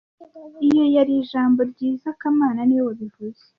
Iyo yari ijambo ryiza kamana niwe wabivuze